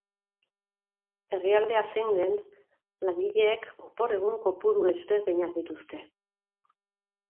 Herrialdea zein den, langileek opor egun kopuru ezberdinak dituzte.